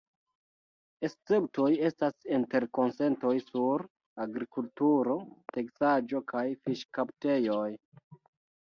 Esceptoj estas interkonsentoj sur agrikulturo, teksaĵo kaj fiŝkaptejoj.